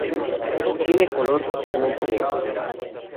Tiene color totalmente negro.